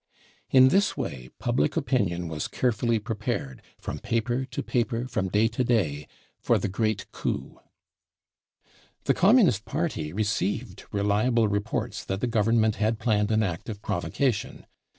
In this way public , opinion was carefully prepared, from paper to paper, froni ■ j )•* day to day, for the " great coup" The Communist Party received reliable reports that the Government had planned an act of provocation.